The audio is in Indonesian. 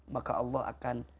maka allah akan